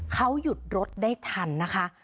เขาหยุดรถได้ทันนะคะ